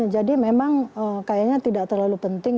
jadi memang kayaknya tidak terlalu penting